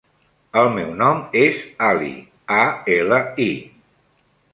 El meu nom és Ali: a, ela, i.